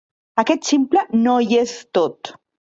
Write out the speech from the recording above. Aquest ximple no hi és tot.